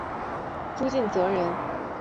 朱敬则人。